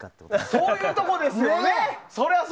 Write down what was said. そういうところですよね。